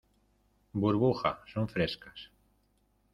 burbuja, son frescas.